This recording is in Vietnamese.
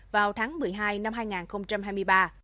vào tháng một mươi hai năm hai nghìn hai mươi ba